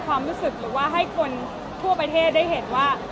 ความรู้สึกหรือว่าให้คนทั่วประเทศได้เห็นว่า